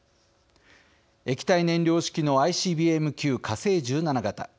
液体燃料式のＩＣＢＭ級火星１７型。